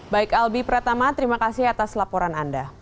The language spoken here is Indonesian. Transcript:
baik albi pratama terima kasih atas laporan anda